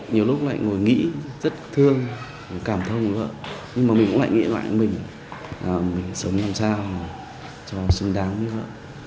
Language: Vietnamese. nhiều lúc lại ngồi nghĩ rất thương cảm thông của vợ nhưng mà mình cũng lại nghĩ lại mình mình sống làm sao cho xứng đáng với vợ